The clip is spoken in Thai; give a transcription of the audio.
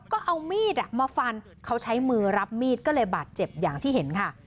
ก็เอามีดมาฟันเขาใช้มือรับมีดก็เลยบาดเจ็บอย่างที่เห็นค่ะ